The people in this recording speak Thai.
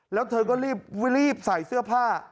แล้วเธอก็รีบใส่เสื้อผ้า